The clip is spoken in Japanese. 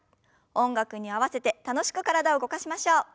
音楽に合わせて楽しく体を動かしましょう。